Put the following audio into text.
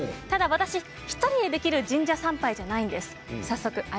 １人でできる神社参拝ではないんです。